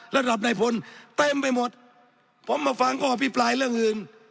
ระดับนายพลเต็มไปหมดผมมาฟังข้ออภิปรายเรื่องอื่น